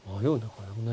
これもね。